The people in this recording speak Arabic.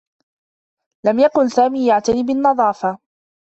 لم يكن سامي يعتني بالنّظافة.